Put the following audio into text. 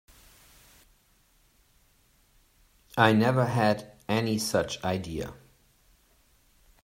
I never had any such idea.